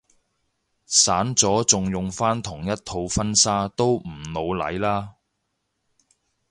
散咗仲用返同一套婚紗都唔老嚟啦